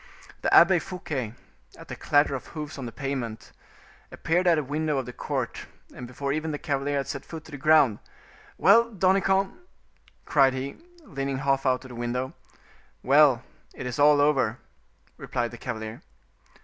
The Abbe Fouquet, at the clatter of hoofs on the pavement, appeared at a window of the court, and before even the cavalier had set foot to the ground, "Well! Danicamp?" cried he, leaning half out of the window. "Well, it is all over," replied the cavalier.